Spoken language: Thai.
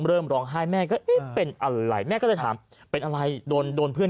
เริ่มร้องไห้แม่ก็เอ๊ะเป็นอะไรแม่ก็เลยถามเป็นอะไรโดนโดนเพื่อน